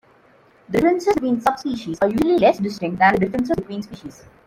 The differences between subspecies are usually less distinct than the differences between species.